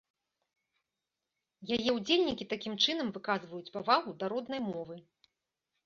Яе ўдзельнікі такім чынам выказваюць павагу да роднай мовы.